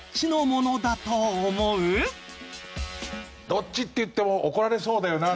どっちって言っても怒られそうだよな？